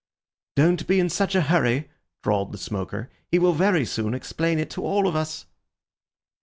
"Don't be in such a hurry," drawled the smoker. "He will very soon explain it to all of us."